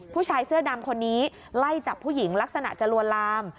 ผู้ชายเสื้อดำคนนี้ไล่จับผู้หญิงลักษณะจะลวนลาม